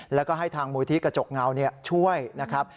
แล้วก็ให้ทางมูลที่กระจกเงาช่วยนะครับ